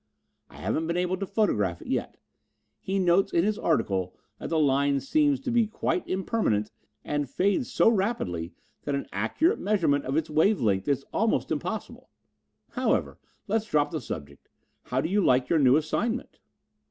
I haven't been able to photograph it yet. He notes in his article that the line seems to be quite impermanent and fades so rapidly that an accurate measurement of its wave length is almost impossible. However, let's drop the subject. How do you like your new assignment?"